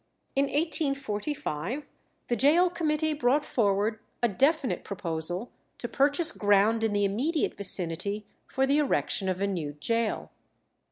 In 1845 the Gaol Committee brought forward a definite proposal to purchase ground in the immediate vicinity for the erection of a new gaol.